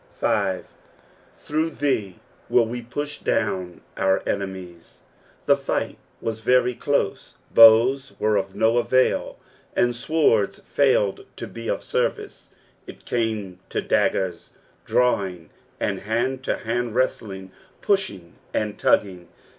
fl. " Through thee vill tee puth doien our «n«miM." The fight was very close, bows were of no avul, and swords failed to be of service, it came to daggers drawing, and hand to band wrestling, pushing and tugging.